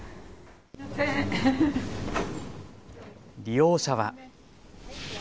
利用者は。